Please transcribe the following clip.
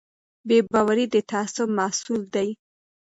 بې باوري د تعصب محصول دی